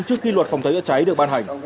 trước khi luật phòng cháy cháy được ban hành